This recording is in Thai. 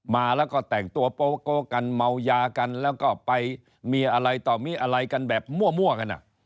มาแล้วก็แต่งตัวโปโกกันเมายากันแล้วก็ไปมีอะไรต่อมีอะไรกันแบบมั่วกัน